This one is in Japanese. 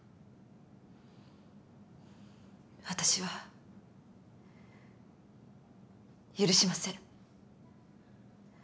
私は許しません。